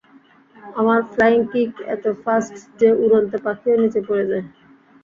আমার flying kick এত fast, যে উড়ন্ত পাখিও নিচে পড়ে যায়।